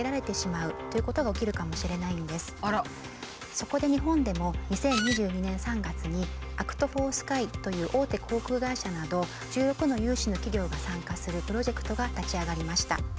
そこで日本でも２０２２年３月にＡＣＴＦＯＲＳＫＹという大手航空会社など１６の有志の企業が参加するプロジェクトが立ち上がりました。